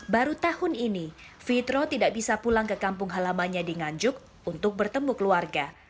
baru tahun ini fitro tidak bisa pulang ke kampung halamannya di nganjuk untuk bertemu keluarga